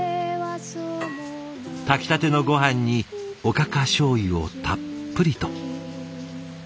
炊きたてのごはんにおかかしょうゆをたっぷりと。